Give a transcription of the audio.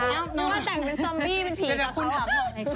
ต้องการแต่งเป็นซอมบี้เป็นผีกับเรา